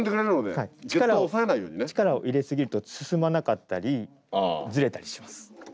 皆さん力を入れすぎると進まなかったりずれたりします。